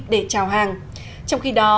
để trào hàng trong khi đó